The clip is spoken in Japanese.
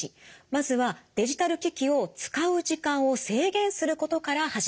まずはデジタル機器を使う時間を制限することから始めます。